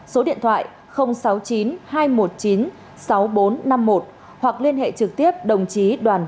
số điện thoại sáu mươi chín hai trăm một mươi chín sáu nghìn bốn trăm năm mươi một hoặc liên hệ trực tiếp đồng chí đoàn